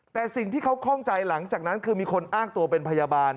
แต่สิ่งที่เขาคล่องใจหลังจากนั้นคือมีคนอ้างตัวเป็นพยาบาล